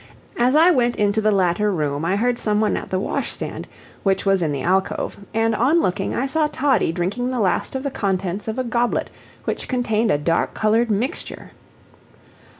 As I went into the latter room I heard some one at the wash stand, which was in the alcove, and on looking I saw Toddie drinking the last of the contents of a goblet which contained a dark colored mixture.